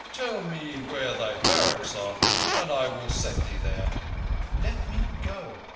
Tell me where thy barracks are and I will set thee there." "Let me go.